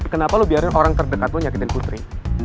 kenapa lu biarin orang terdekat lo nyakitin putri